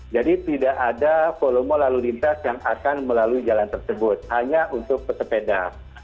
jadi tidak ada kolomo lalu lintas yang akan melalui jalan tersebut hanya untuk pesepeda